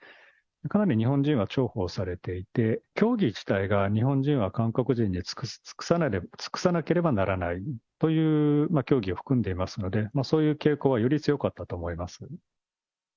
かなり日本人は重宝されていて、教義自体が、日本人は韓国人に尽くさなければならないという教義を含んでいますので、そういう傾向はより強かったと思います。